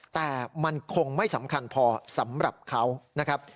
แต่มันคงไม่สำคัญพอสำหรับเขานะครับ